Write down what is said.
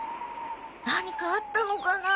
何かあったのかな？